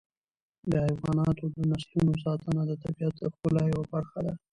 د حیواناتو د نسلونو ساتنه د طبیعت د ښکلا یوه برخه ده.